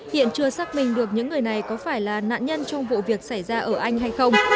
hiện chưa xác minh được những người này có phải là nạn nhân trong vụ việc xảy ra ở anh hay không